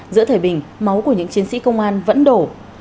giữa thời bình máu của những chiến sĩ công an vẫn đổ